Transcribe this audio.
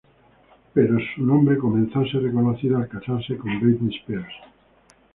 Pero su nombre comenzó a ser reconocido al casarse con Britney Spears.